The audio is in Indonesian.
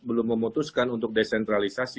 belum memutuskan untuk desentralisasi